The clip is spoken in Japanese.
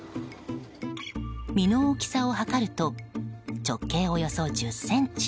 実の大きさを測ると直径およそ１０ｃｍ。